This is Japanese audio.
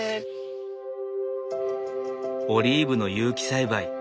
オリーブの有機栽培。